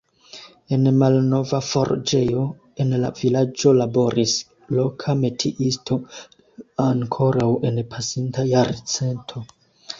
En malnova forĝejo en la vilaĝo laboris loka metiisto ankoraŭ en pasinta jarcento.